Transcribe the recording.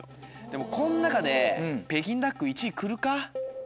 でもこの中で北京ダック１位来るか？